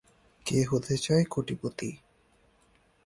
কে হতে চায় কোটিপতি?